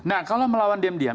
nah kalau melawan diam diam